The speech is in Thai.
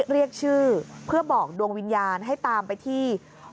เรียกชื่อเพื่อบอกดวงวิญญาณให้ตามไปที่